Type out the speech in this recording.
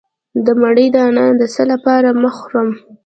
د مڼې دانه د څه لپاره مه خورم؟